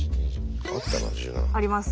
あります